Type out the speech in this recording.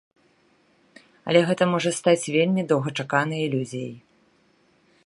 Але гэта можа стаць вельмі доўгачаканай ілюзіяй!